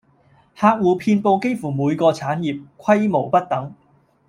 客戶遍佈幾乎每個產業，規模不等